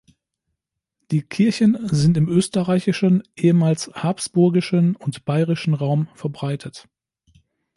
Die Kirchen sind im österreichischen, ehemals habsburgischen und bayrischen Raum verbreitet.